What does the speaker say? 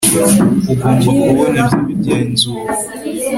ugomba kubona ibyo bigenzuwe